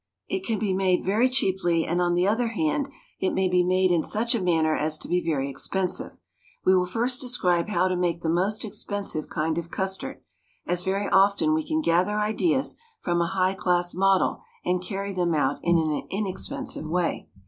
It can be made very cheaply, and, on the other hand, it may be made in such a manner as to be very expensive. We will first describe how to make the most expensive kind of custard, as very often we can gather ideas from a high class model and carry them out in an inexpensive way.